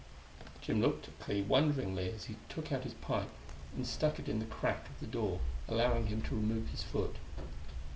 Jim looked at Clee wonderingly as he took out his pipe and stuck it in the crack of the door, allowing him to remove his foot.